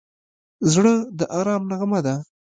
زړه د ارام نغمه ده.